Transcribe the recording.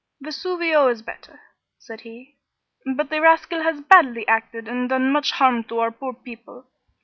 "Vesuvio is better," said he, "but the rascal has badly acted and done much harm to our poor people.